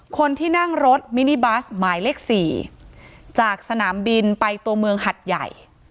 คนที่นั่งรถมินิบัสหมายเลข๔จากสนามบินไปตัวเมืองหัดใหญ่